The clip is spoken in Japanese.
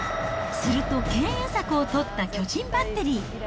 すると敬遠策を取った巨人バッテリー。